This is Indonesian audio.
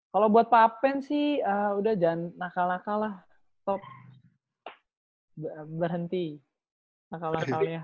kalo buat pak pen sih udah jangan nakal nakal lah stop berhenti nakal nakalnya